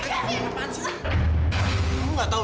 kamisya udah akan jasad gitu man kamisya udah